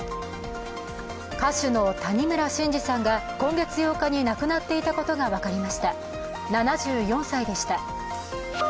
歌手の谷村新司さんが今月８日に亡くなっていたことがわかりました、７４歳でした。